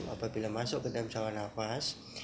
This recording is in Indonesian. apabila masuk ke dalam saluran nafas